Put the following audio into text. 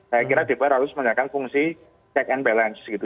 saya kira dpr harus menggunakan fungsi check and balance gitu